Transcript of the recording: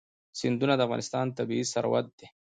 سیندونه د افغانستان طبعي ثروت دی.